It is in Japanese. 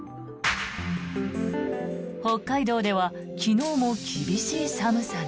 北海道では昨日も厳しい寒さに。